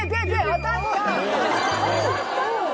当たったのよ！